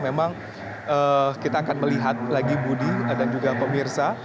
memang kita akan melihat lagi budi dan juga pemirsa